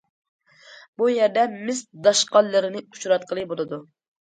بۇ يەردە مىس داشقاللىرىنى ئۇچراتقىلى بولىدۇ.